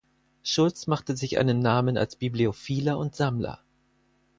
Schulz machte sich einen Namen als Bibliophiler und Sammler.